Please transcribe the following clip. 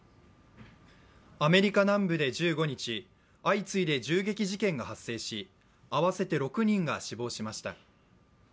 アメリカ南部で１５日相次いで銃撃事件が発生し、合わせて６人が死亡しました。